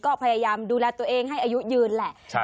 ก็พยายามดูแลตัวเองให้อายุยืนแหละ